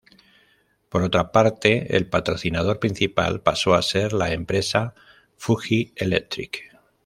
Por otra parte, el patrocinador principal pasó a ser la empresa Fuji Electric.